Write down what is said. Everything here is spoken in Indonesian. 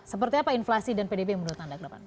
seperti apa inflasi dan pdb menurut anda ke depan